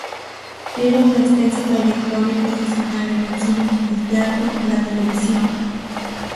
Tiene una extensa trayectoria profesional en el cine, el teatro y la televisión.